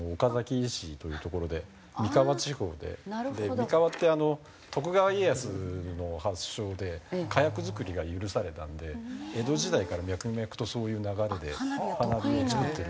三河ってあの徳川家康の発祥で火薬作りが許されたので江戸時代から脈々とそういう流れで花火を作ってる。